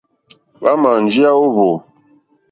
Hwámà njíyá ó hwò.